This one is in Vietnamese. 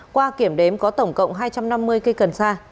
qua kiểm đếm có tổng cộng hai trăm năm mươi cây cần sa